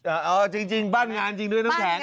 เอาจริงบ้านงานจริงด้วยน้ำแข็ง